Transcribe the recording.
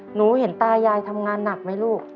หนูเห็นตายายทำงานหนักไหมลูก